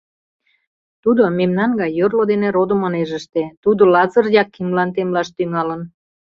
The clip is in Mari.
— Тудо мемнан гай йорло дене родым ынеж ыште, тудо Лазыр Якимлан темлаш тӱҥалын.